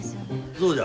そうじゃ。